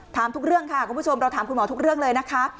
ถามทุกเรื่องค่ะคุณผู้ชมเราถามคุณหมอทุกเรื่องเลยนะคะ